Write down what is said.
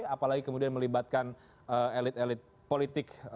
apalagi kemudian melibatkan elit elit politik